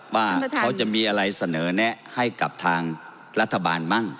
ว่าเขาจะมีอะไรเสนอแนะให้กับทางรัฐบาลมั่ง